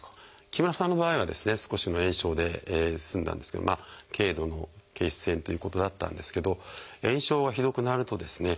木村さんの場合はですね少しの炎症で済んだんですけど軽度の憩室炎ということだったんですけど炎症がひどくなるとですね